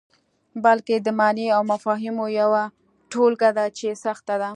بلکې د معني او مفاهیمو یوه ټولګه ده چې سخته ده.